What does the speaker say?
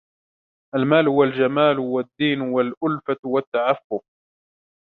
الْمَالُ وَالْجَمَالُ وَالدِّينُ وَالْأُلْفَةُ وَالتَّعَفُّفُ